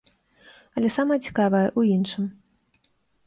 Але самае цікавае ў іншым.